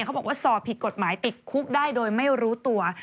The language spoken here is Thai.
เขาบอกว่าสอบผิดกฎหมายติดคุกได้โดยไม่รู้ตัว